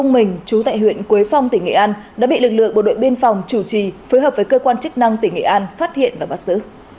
nguyễn chú tại huyện quế phong tỉnh nghệ an đã bị lực lượng bộ đội biên phòng chủ trì phối hợp với cơ quan chức năng tỉnh nghệ an phát hiện và bắt xử